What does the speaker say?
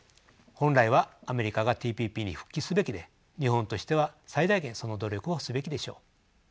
本来はアメリカがＴＰＰに復帰すべきで日本としては最大限その努力をすべきでしょう。